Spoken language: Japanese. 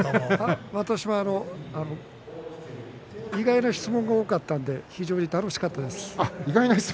私も意外な質問が多かったので非常に楽しかったです。